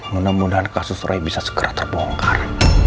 mudah mudahan kasus roy bisa segera terbongkar